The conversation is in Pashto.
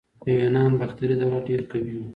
د یونانو باختري دولت ډیر قوي و